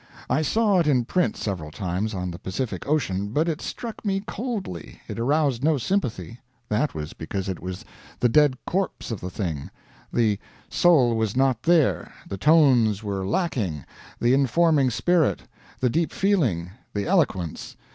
I saw it in print several times on the Pacific Ocean, but it struck me coldly, it aroused no sympathy. That was because it was the dead corpse of the thing, the soul was not there the tones were lacking the informing spirit the deep feeling the eloquence.